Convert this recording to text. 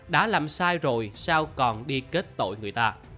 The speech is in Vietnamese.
đã làm sai rồi sao còn đi kết tội người ta